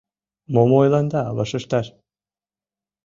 Мом ойланда вашешташ?